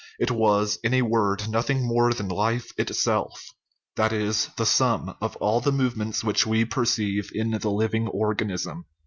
It was, in a word, nothing more than life itself that is, the sum of all the movements which we perceive in the living organism.